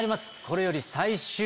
これより。